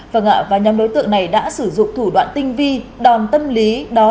vâng ạ và nhóm đối tượng này đã sử dụng thủ đoạn tinh vi đòn tâm lý đó